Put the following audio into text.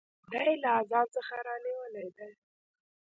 دا له اذان څخه رانیولې ده.